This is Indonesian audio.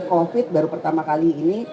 covid baru pertama kali ini